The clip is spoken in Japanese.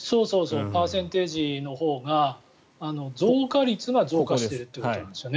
パーセンテージのほうが増加率が増加してるということなんですよね。